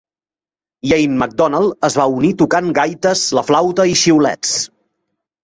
Iain MacDonald es va unir tocant gaites, la flauta i xiulets.